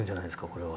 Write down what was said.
これは。